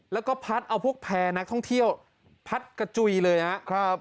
แล้วก็พัดเอาพวกแพร่นักท่องเที่ยวพัดกระจุยเลยนะครับ